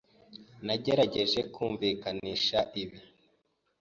Nagerageje kumvikanisha ibi.